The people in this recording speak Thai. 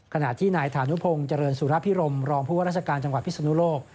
ขณะที่นายธานุพงศ์เจริญสุรพิรมรองผู้ว่าราชการจังหวัดพิศนุโลก